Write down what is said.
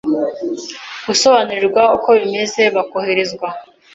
gusobanurirwa uko bimeze bakoherezwa